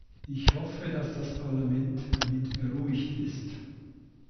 Ich hoffe, dass das Parlament damit beruhigt ist.